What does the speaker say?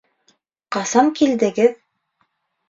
Ҡасан килдегеҙ?